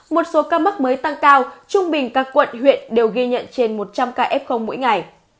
một số ca mắc mới tăng cao trung bình các quận huyện đều ghi nhận trên một trăm linh ca f mỗi ngày